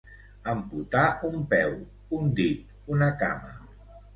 Amputar un peu, un dit, una cama.